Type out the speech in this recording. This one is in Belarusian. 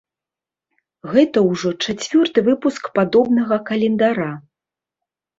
Гэта ўжо чацвёрты выпуск падобнага календара.